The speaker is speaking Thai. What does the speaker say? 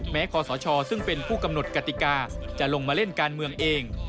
คอสชซึ่งเป็นผู้กำหนดกติกาจะลงมาเล่นการเมืองเอง